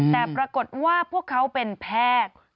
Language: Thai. แต่ปรากฏว่าพวกเขาเป็นแพทย์